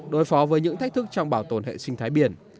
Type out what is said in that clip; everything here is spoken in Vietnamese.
đối phó với những thách thức trong bảo tồn hệ sinh thái biển